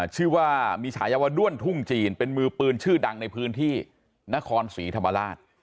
ชื่อว่ามีฉายาวด้วนทุ่งจีนเป็นมือปืนชื่อดังในพื้นที่นครศรีธรรมราช